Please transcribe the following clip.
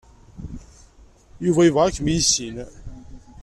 Yuba yebɣa ad kem-yessen.